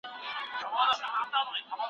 ګامونه د مشرانو له خوا پورته سول.